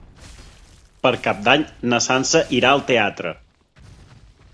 Per Cap d'Any na Sança irà al teatre.